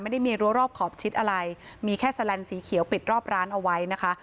ไม่ได้มีรัวรอบขอบชิดอะไรมีแค่แลนสีเขียวปิดรอบร้านเอาไว้นะคะ